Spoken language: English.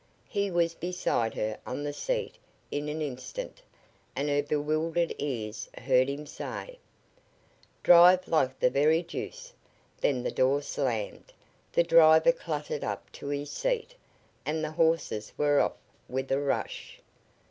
He was beside her on the seat in an instant, and her bewildered ears heard him say: "Drive like the very deuce!" Then the door slammed, the driver clattered up to his seat, and the horses were off with a rush.